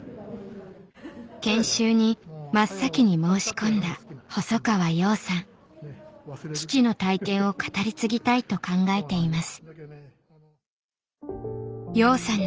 研修に真っ先に申し込んだ父の体験を語り継ぎたいと考えています